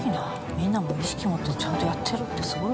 みんなも意識持ってちゃんとやってるってすごい。